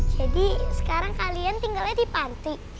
jadi sekarang kalian tinggalnya di panti